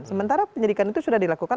sementara penyidikan itu sudah dilakukan